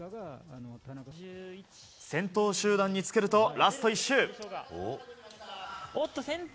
先頭集団につけるとラスト１周。